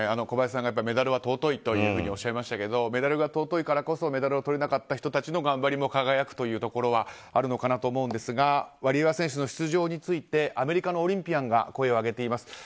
小林さんが、メダルは尊いとおっしゃいましたけどメダルが尊いからこそメダルをとれなかった人たちの頑張りが輝くというところがあるのかなと思うんですがワリエワ選手の出場についてアメリカのオリンピアンが声を上げています。